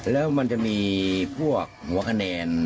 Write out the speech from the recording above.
แล้วมันจะมีพวกหัวคะแนน